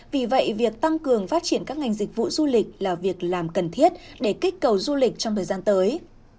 vì vậy việc tăng cường phát triển các ngành dịch vụ du lịch là việc làm cần thiết để kích cầu du lịch trong thời gian tới